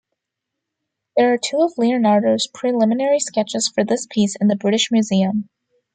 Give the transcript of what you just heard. There are two of Leonardo's preliminary sketches for this piece in the British Museum.